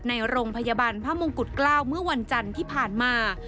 ในโรงพยาบาลพระมงกุฎเกล้าเมื่อวันจันทร์ที่ผ่านมา